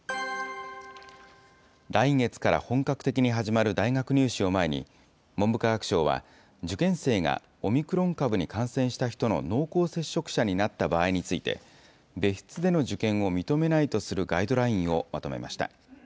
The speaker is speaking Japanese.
来月から本格的に始まる大学入試を前に、文部科学省は、受験生がオミクロン株に感染した人の濃厚接触者になった場合について、別室での受験を認めないとするガイドラインをまとめました。